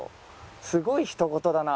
すごいひとごとだな。